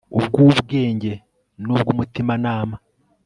ubwubwenge nubwumutimanama